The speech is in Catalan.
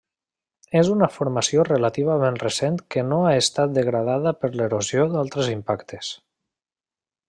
És una formació relativament recent que no ha estat degradada per l'erosió d'altres impactes.